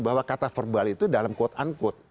bahwa kata verbal itu dalam quote and quote